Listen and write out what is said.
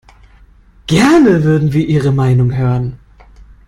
Gerne würden wir Ihre Meinung hören.